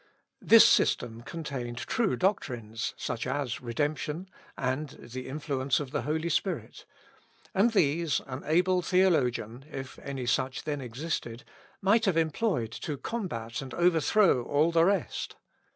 This system contained true doctrines, such as redemption, and the influence of the Holy Spirit; and these an able theologian, if any such then existed, might have employed to combat and overthrow all the rest.